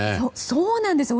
そうなんですよ。